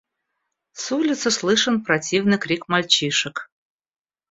С улицы слышен противный крик мальчишек.